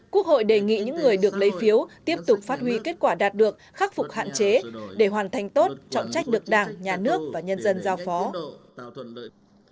quốc hội đề nghị những người được lấy phiếu tiếp tục phát huy kết quả đạt được khắc phục hạn chế để hoàn thành tốt trọng trách được đảng nhà nước và nhân dân giao phó